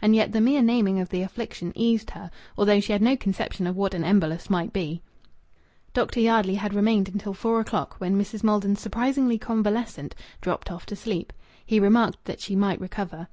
And yet the mere naming of the affliction eased her, although she had no conception of what an embolus might be. Dr. Yardley had remained until four o'clock, when Mrs. Maldon, surprisingly convalescent, dropped off to sleep. He remarked that she might recover.